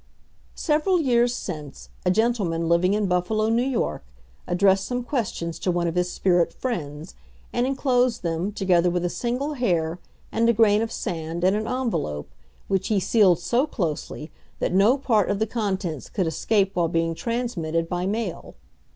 Several years since, a gentleman living in Buffalo, N. Y., addressed some questions to one of his spirit friends, and inclosed them, together with a single hair and a grain of sand, in an envelope, which he sealed so closely that no part of the contents could escape while being transmitted by mail.